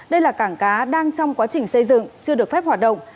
đây là cảng cá đang trong quá trình xây dựng chưa được phép hoạt động